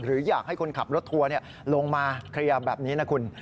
หรืออยากให้คนขับรถทัวร์ลงมาเคลียร์แบบนี้นะคุณ